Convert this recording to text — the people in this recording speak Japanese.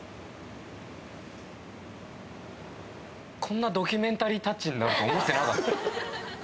こんなドキュメンタリータッチになると思ってなかった。